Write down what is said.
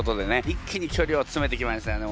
一気にきょりをつめてきましたよね。